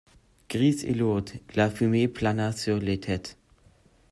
Grise et lourde, la fumée plana sur les têtes.